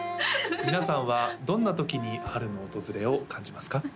皆さんはどんな時に春の訪れを感じますか？